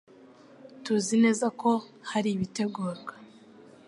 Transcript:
tuzi neza ko hari ibitegurwa,